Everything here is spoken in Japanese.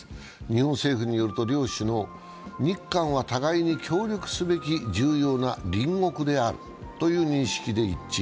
日本政府によると両首脳、日韓は互いに協力すべき重要な隣国であるという認識で一致。